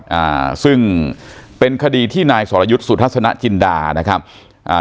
อ่าซึ่งเป็นคดีที่นายสรยุทธ์สุทัศนจินดานะครับอ่า